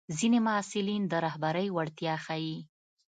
ځینې محصلین د رهبرۍ وړتیا ښيي.